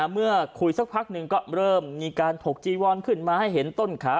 เมื่อคุยสักพักหนึ่งก็เริ่มมีการถกจีวอนขึ้นมาให้เห็นต้นขา